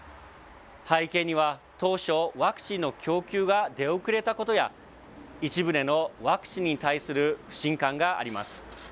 背景には、当初、ワクチンの供給が出遅れたことや、一部でのワクチンに対する不信感があります。